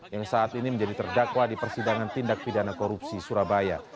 yang saat ini menjadi terdakwa di persidangan tindak pidana korupsi surabaya